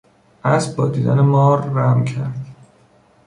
اسب با دیدن مار رم کرد.